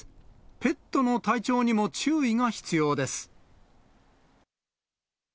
ペットの体調にも注意が必要です。